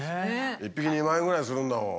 １匹２万円ぐらいするんだもん。